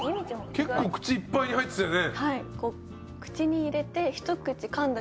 結構口いっぱいに入ってたよね？